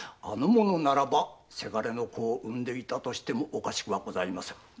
あの者ならばせがれの子を産んでいてもおかしくはございません。